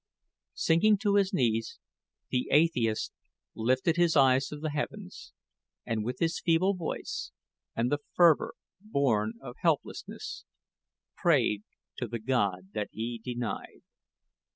Sinking to his knees the atheist lifted his eyes to the heavens, and with his feeble voice and the fervor born of helplessness, prayed to the God that he denied.